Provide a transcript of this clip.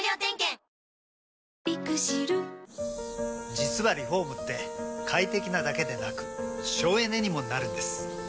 実はリフォームって快適なだけでなく省エネにもなるんです。